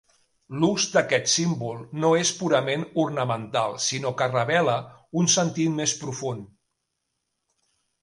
L'ús d'aquest símbol no és purament ornamental, sinó que revela un sentit més profund.